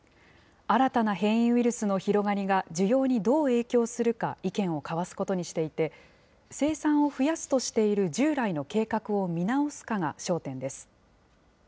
新たな変異ウイルスの広がりが、需要にどう影響するか意見を交わすことにしていて、生産を増やすとしている従来の計画を見直すかが焦点です。